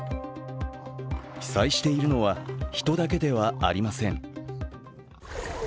被災しているのは人だけではありません。